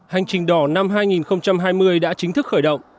hành trình đỏ năm hai nghìn hai mươi đã chính thức khởi động